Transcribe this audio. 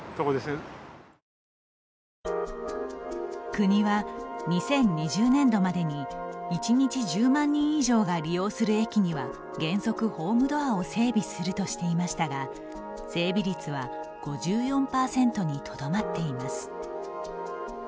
国は、２０２０年度までに１日１０万人以上が利用する駅には原則、ホームドアを整備するとしていましたが整備率は５４％にとどまっています。